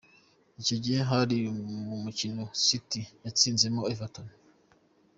Icyo gihe hari mu mukino City yatsinzemo Everton.